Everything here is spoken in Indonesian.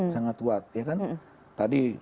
sangat kuat ya kan tadi